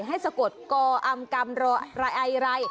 ให้สะกดกออำกำรอไอไร